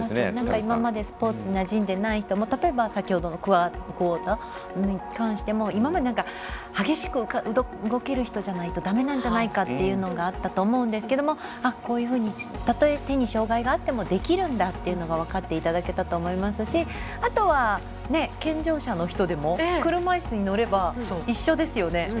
今まで、スポーツになじんでない人も例えば先ほどのクアードに関しても今まで激しく動ける人じゃないとだめなんじゃないかっていうのがあったと思うんですがこういうふうにたとえ手に障がいがあってもできるんだっていうのが分かっていただいたと思いますしあとは、健常者の人でも車いすに乗れば一緒ですよね。